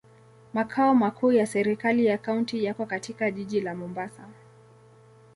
Makao makuu ya serikali ya kaunti yako katika jiji la Mombasa.